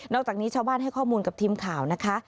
จากนี้ชาวบ้านให้ข้อมูลกับทีมข่าวนะคะ